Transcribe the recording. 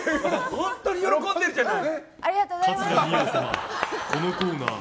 本当に喜んでるじゃない！